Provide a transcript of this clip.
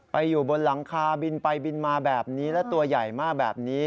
อยู่บนหลังคาบินไปบินมาแบบนี้และตัวใหญ่มากแบบนี้